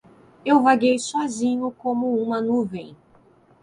Eu vaguei sozinho como uma nuvem.